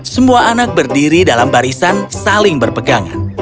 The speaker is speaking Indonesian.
semua anak berdiri dalam barisan saling berpegangan